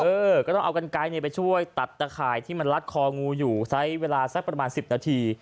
เออก็ต้องเอากันไกลไปช่วยตัดตะข่ายที่มันลัดคองูอยู่ใช้เวลาสักประมาณ๑๐นาที